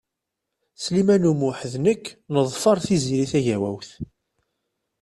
Sliman U Muḥ d nekk neḍfeṛ Tiziri Tagawawt.